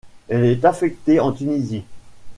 Elle est affectée en Tunisie.